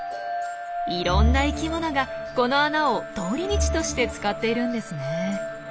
いろんな生きものがこの穴を通り道として使っているんですね。